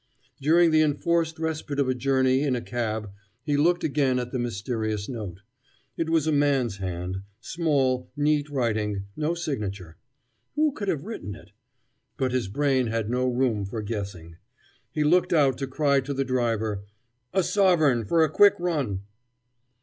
During the enforced respite of a journey in a cab he looked again at the mysterious note. It was a man's hand; small, neat writing; no signature. Who could have written it? But his brain had no room for guessing. He looked out to cry to the driver: "A sovereign for a quick run."